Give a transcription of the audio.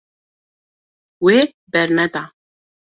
Wê berneda.